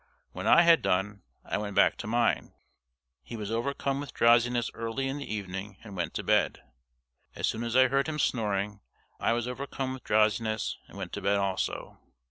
When I had done I went back to mine. He was overcome with drowsiness early in the evening, and went to bed. As soon as I heard him snoring, I was overcome with drowsiness and went to bed also.